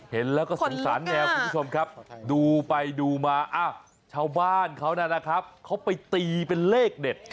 เห็นแล้วก็สงสารแมวคุณผู้ชมครับดูไปดูมาชาวบ้านเขานะครับเขาไปตีเป็นเลขเด็ด